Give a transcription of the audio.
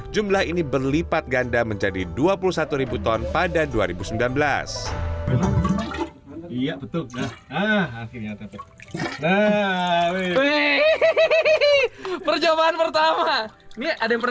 jumlah ini berlipat ganda menjadi dua puluh satu ribu ton pada dua ribu sembilan belas